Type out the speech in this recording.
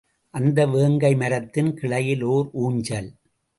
அந்த வேங்கை மரத்தின் கிளையில் ஓர் ஊஞ்சல்.